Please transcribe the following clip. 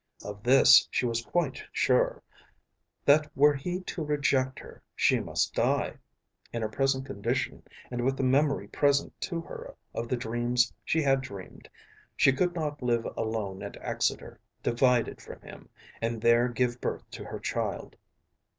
Of this she was quite sure, that were he to reject her she must die. In her present condition, and with the memory present to her of the dreams she had dreamed, she could not live alone at Exeter, divided from him, and there give birth to her child.